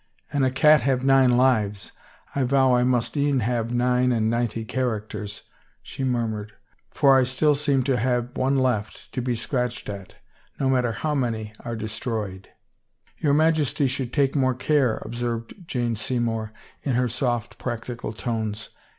" An a cat have nine lives, I vow I must e'en have nine and ninety characters," she murmured, for I still seem to have one left to be scratched at, no matter how many are destroyed." " Your Majesty should take more care," observed Jane Seymour in her soft, practical tones.